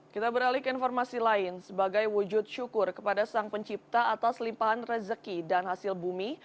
kita beralih ke informasi lain sebagai wujud syukur kepada sang pencipta atas limpahan rezeki dan hasil bumi